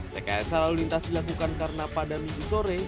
rekayasa lalu lintas dilakukan karena pada minggu sore